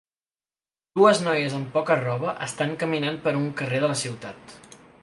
Dues noies amb poca roba estan caminant per un carrer de la ciutat.